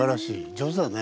上手だね。